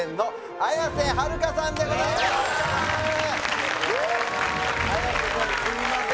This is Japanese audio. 綾瀬：すみません。